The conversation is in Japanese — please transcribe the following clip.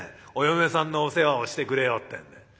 お嫁さんのお世話をしてくれようってんで。